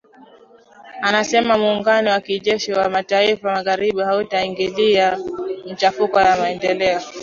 amesema muungano wa kijeshi wa mataifa ya magharibi hautaingilia machafuko yanayoendelea